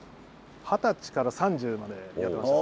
二十歳から３０までやってました。